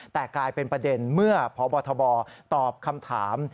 แต่กลายเป็นประเด็นเมื่อพบทบตอบคำถาม